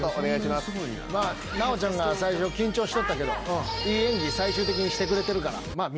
まぁ奈緒ちゃんが最初緊張しとったけどいい演技最終的にしてくれてるからまぁ。